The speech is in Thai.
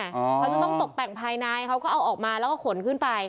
เขาจะต้องตกแต่งภายในเขาก็เอาออกมาแล้วก็ขนขึ้นไป